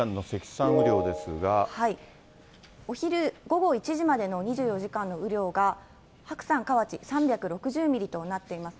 お昼、午後１時までの２４時間の雨量が白山河内３６０ミリとなっています。